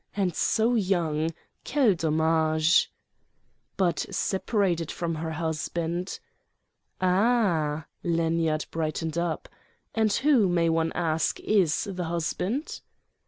"And so young! Quel dommage!" "But separated from her husband." "Ah!" Lanyard brightened up. "And who, may one ask, is the husband?"